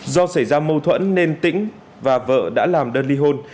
do xảy ra mâu thuẫn nên tĩnh và vợ đã làm đơn ly hôn